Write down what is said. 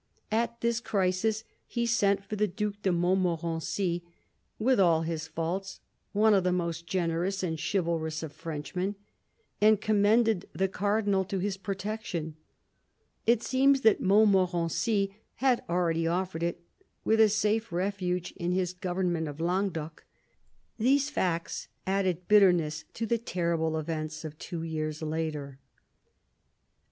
At this crisis he sent for the Due de Montmorency — with all his faults, one of the most generous and chivalrous of Frenchmen — and commended the Cardinal to his protection. It seems that Montmorency had already offered it, with a safe refuge in his government of Languedoc. These facts added bitterness to the terrible events of two years later.